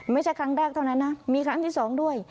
ไม่ใช่ครั้งแรกเท่านั้นนะมีครั้งที่สองด้วย